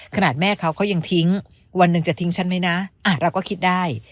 ขนาดแม่เขาเขายังทิ้งวันหนึ่งจะทิ้งฉันไหมนะเราก็คิดได้